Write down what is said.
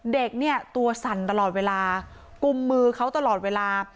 เด็กเนี่ยตัวสั่นตลอดเวลากุมมือเขาตลอดเวลา